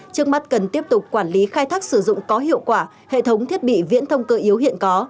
trước mắt cần tiếp tục quản lý khai thác sử dụng có hiệu quả hệ thống thiết bị viễn thông cơ yếu hiện có